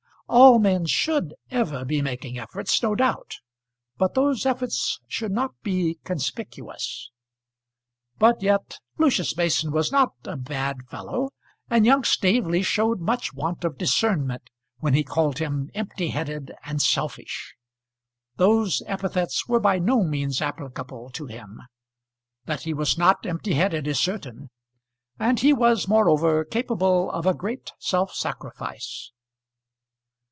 All men should ever be making efforts, no doubt; but those efforts should not be conspicuous. But yet Lucius Mason was not a bad fellow, and young Staveley showed much want of discernment when he called him empty headed and selfish. Those epithets were by no means applicable to him. That he was not empty headed is certain; and he was moreover capable of a great self sacrifice.